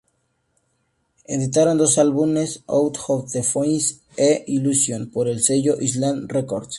Editaron dos álbumes, "Out of the Mist" e "Illusion" por el sello Island Records.